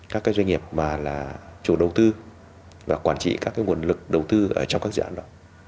các cái doanh nghiệp mà là chủ đầu tư và quản trị các nguồn lực đầu tư ở trong các dự án đó